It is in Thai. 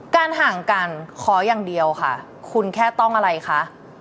ห่างกันขออย่างเดียวค่ะคุณแค่ต้องอะไรคะ